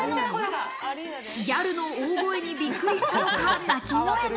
ギャルの大声にびっくりしたのか、泣き声が。